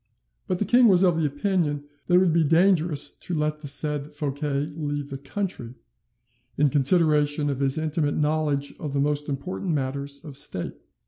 "But the king was of the opinion that it would be dangerous to let the said Fouquet leave the country, in consideration of his intimate knowledge of the most important matters of state.